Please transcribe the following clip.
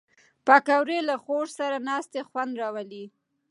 پکورې له خور سره ناستې خوند راولي